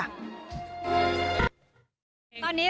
ส่วนคู่ชีวิตของครูชลธีค่ะ